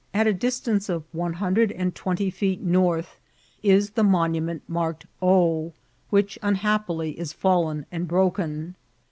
166 At the distance of one hundred and twenty feet north 18 the monoment marked O, which, unhappily, is fedlen and faflN^en.